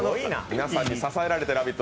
皆さんに支えられて「ラヴィット！」